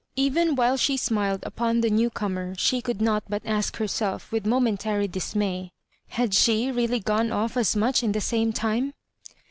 Even while she smiled upon the new comer, she could not but ask herself, with mo mentary dismay — ^Had 8?ie really gone off as much in the same time?